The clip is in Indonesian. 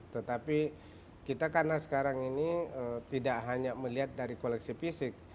tetapi kita karena sekarang ini tidak hanya melihat dari koleksi fisik